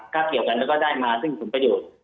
ถ้าเกี่ยวกันแล้วก็ได้มาซึ่งผลประโยชน์